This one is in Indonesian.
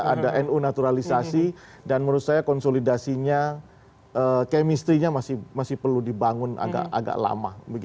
ada nu naturalisasi dan menurut saya konsolidasinya kemistrinya masih perlu dibangun agak lama